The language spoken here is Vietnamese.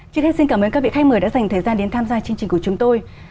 trước hết xin cảm ơn các vị khách mời đã dành thời gian đến tham gia chương trình của chúng tôi